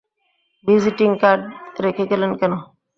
Visiting card রেখে গেলেন কেন?